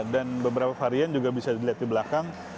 dan beberapa varian juga bisa dilihat di belakang